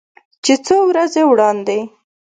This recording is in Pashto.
چې څو ورځې وړاندې